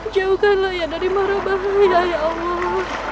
jauhkanlah ya dari marah bahagia ya allah